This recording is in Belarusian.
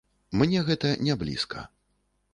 Мне гэта не блізка.